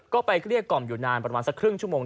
ก็ไปเกลี้ยกล่อมอยู่นานประมาณสักครึ่งชั่วโมง